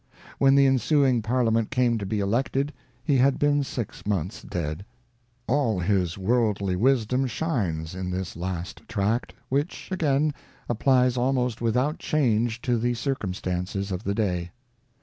When the ensuing Parliament came to be elected he had been six months dead. All his worldly wisdom shines in this last tract, which, again, applies almost without change to the circumstances of to day.